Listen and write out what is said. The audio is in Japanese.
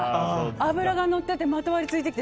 脂がのっていてまとわりついてきて。